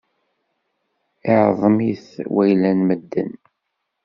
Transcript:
Iɛḍem-it wayla n medden.